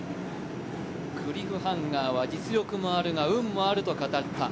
クリフハンガーは実力もあるが運もあると語った。